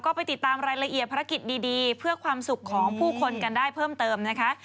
ก็ไปติดตามรายละเอียดภารกิจดีเพื่อความสุขของผู้คนกันได้เพิ่มเติมนะคะ